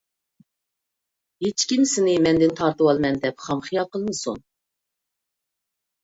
ھېچكىم سېنى مەندىن تارتىۋالىمەن دەپ خام خىيال قىلمىسۇن!